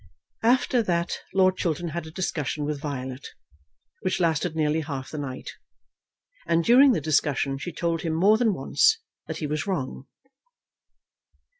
After that Lord Chiltern had a discussion with Violet, which lasted nearly half the night; and during the discussion she told him more than once that he was wrong.